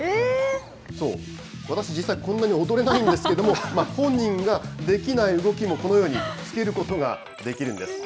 そう、私、実際、こんなに踊れないんですけども、本人ができない動きも、このようにつけることができるんです。